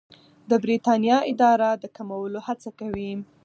د بریتانیا اداره د کمولو هڅه کوي.